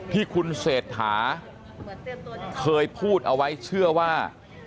ที่คุณเศรษฐาเคยพูดเอาไว้เชื่อว่า